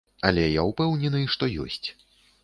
Але я ўпэўнены, што ёсць.